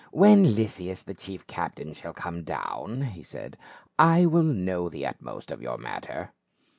" When Lysias, the chief captain, shall come down," he said, " I will know the uttermost of your matter."